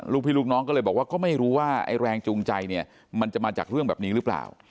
พี่ลูกน้องก็เลยบอกว่าก็ไม่รู้ว่าไอ้แรงจูงใจเนี่ยมันจะมาจากเรื่องแบบนี้หรือเปล่า